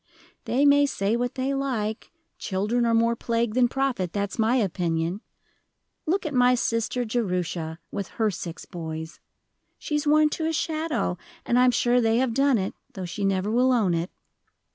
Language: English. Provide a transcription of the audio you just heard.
They may say what they like children are more plague than profit, that's my opinion. Look at my sister Jerusha, with her six boys. She's worn to a shadow, and I am sure they have done it, though she never will own it."